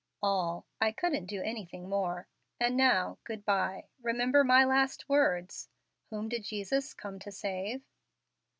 "All. I couldn't do anything more. And now, good by. Remember my last words Whom did Jesus come to save?"